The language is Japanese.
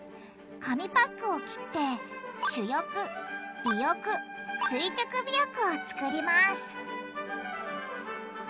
紙パックを切って主翼尾翼垂直尾翼を作ります